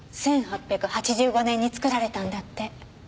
１８８５年に作られたんだって。